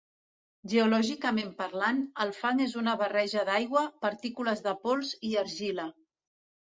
Geològicament parlant, el fang és una barreja d'aigua, partícules de pols i argila.